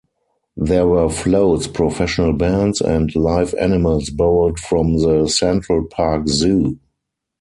There were floats, professional bands and live animals borrowed from the Central Park Zoo.